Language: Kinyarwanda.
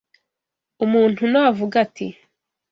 Umuntu navuga ati